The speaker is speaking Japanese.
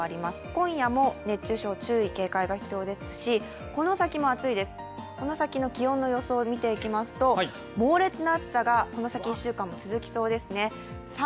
今夜も熱中症、注意・警戒が必要ですし、この先も暑いです、この先の気温の予想を見ていきますと、猛烈な暑さがこの先１週間も続きそうです。